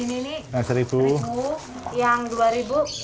eh bentar kalau yang segini nih